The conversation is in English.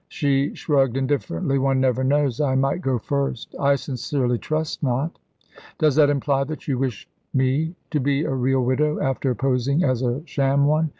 She shrugged indifferently. "One never knows, I might go first." "I sincerely trust not." "Does that imply that you wish me to be a real widow, after posing as a sham one?"